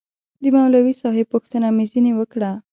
د مولوي صاحب پوښتنه مې ځنې وكړه.